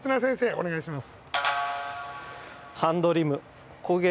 お願いします。